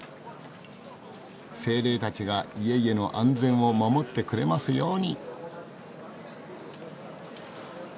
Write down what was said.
精霊たちが家々の安全を守ってくれますように。